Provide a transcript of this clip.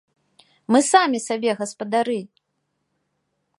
Мы самі сабе гаспадары!